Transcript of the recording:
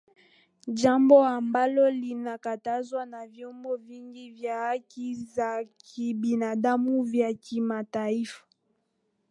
jambo ambalo linakatazwa na vyombo vingi vya haki za kibinadamu vya kimataifa